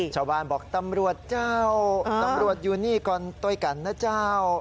ชาวบ้านบอกตำรวจเจ้าตำรวจอยู่นี่ก่อนด้วยกันนะเจ้า